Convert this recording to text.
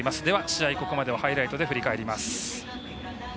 試合、ここまでをハイライトで振り返ります。